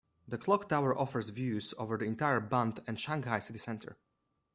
The clock tower offers views over the entire Bund and Shanghai city centre.